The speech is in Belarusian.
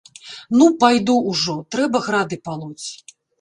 Ну, пайду ўжо, трэба грады палоць.